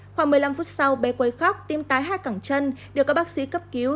khoảng một mươi năm phút sau bé quấy khóc tiêm tái hai cẳng chân được các bác sĩ cấp cứu